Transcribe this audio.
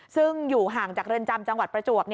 ซึ่งอยู่ห่างจากเรือนจำจังหวัดประจวบ